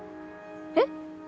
えっ？